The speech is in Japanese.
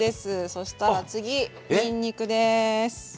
そしたら次にんにくです。